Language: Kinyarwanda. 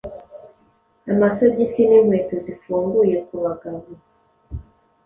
Amasogisi n’inkweto zifunguye kubagabo